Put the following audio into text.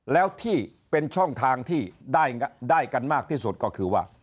แล้วที่เป็นช่องทางที่ได้กันมากที่สุดก็คือว่า